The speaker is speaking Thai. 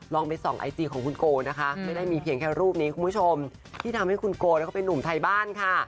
ไปส่องไอจีของคุณโกนะคะไม่ได้มีเพียงแค่รูปนี้คุณผู้ชมที่ทำให้คุณโกแล้วก็เป็นนุ่มไทยบ้านค่ะ